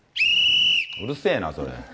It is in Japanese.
うるせえな、それ。